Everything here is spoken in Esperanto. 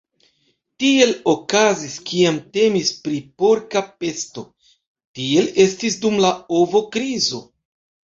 Tiel okazis kiam temis pri porka pesto, tiel estis dum la ovo-krizo.